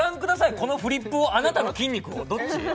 このフリップをあなたの筋肉をどっち？